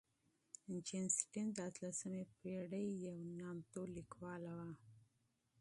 جین اسټن د اتلسمې پېړۍ یو مشهورې لیکواله وه.